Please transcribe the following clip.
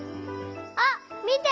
あっみて！